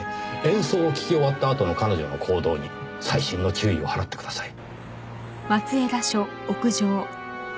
演奏を聞き終わったあとの彼女の行動に細心の注意を払ってください。